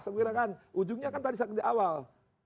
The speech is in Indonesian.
sebenarnya kan ujungnya kan tadi saat kerja awal